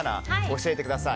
教えてください。